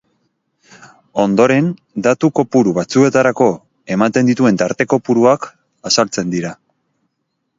Ondoren, datu-kopuru batzuetarako ematen dituen tarte kopuruak azaltzen dira.